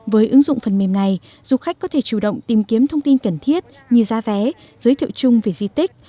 với ứng dụng phần mềm này du khách có thể chủ động tìm kiếm thông tin cần thiết như giá vé giới thiệu chung về di tích